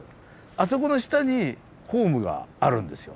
あそこの下にホームがあるんですよ。